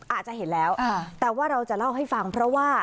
อาจจะเห็นแล้วแต่ว่าเราจะเล่าให้ฟังเพราะว่า